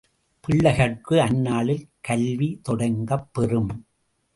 பிள்ளைகட்கு அந்நாளில் கல்வி தொடங்கப்பெறும்.